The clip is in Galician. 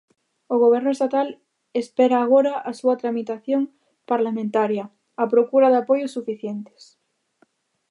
O Goberno estatal espera agora a súa tramitación parlamentaria, á procura de apoios suficientes.